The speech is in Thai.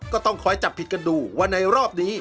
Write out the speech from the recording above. ก็ต้องคอยจับผิดกันดูว่าในรอบนี้